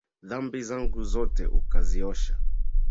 Dhambi zangu zote ukaziosha